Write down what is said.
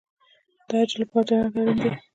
د اجر لپاره جنت اړین دی